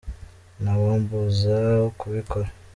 ntawambuza kubikora.